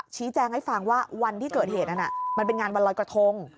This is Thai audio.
ชี้แจงให้ฟังว่าวันที่เกิดเหตุนั้นมันเป็นงานวันลอยกระทง